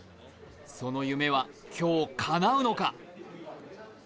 その夢は今日、かなうのか？